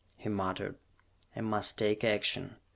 he muttered. "I must take action.